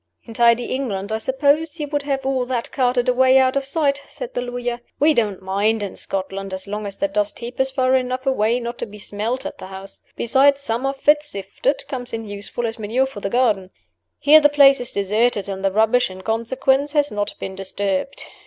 "In tidy England, I suppose, you would have all that carted away out of sight," said the lawyer. "We don't mind in Scotland, as long as the dust heap is far enough away not to be smelt at the house. Besides, some of it, sifted, comes in usefully as manure for the garden. Here the place is deserted, and the rubbish in consequence has not been disturbed.